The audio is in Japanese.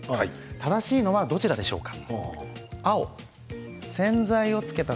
正しいのはどちらでしょうか。